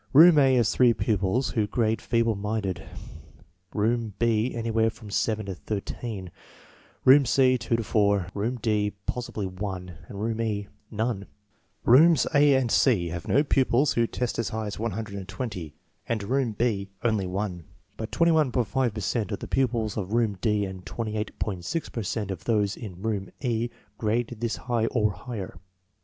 Room A has three pupils who grade feeble minded, room B anywhere from seven to thirteen, room C two to four, room D possibly one, and room E none. Rooms A and C have no pupils who test as high as 120, and room B only one; but 1.5 per cent of the pupils of room D and 28.6 per cent of those in room E grade this high or higher.